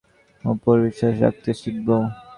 একসাথে, আমরা আবার গোথামের ওপর বিশ্বাস রাখতে শিখব।